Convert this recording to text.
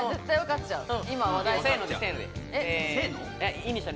イニシャル。